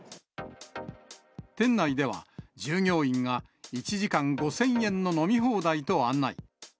店内では、従業員が１時間５０００円の飲み放題と案内。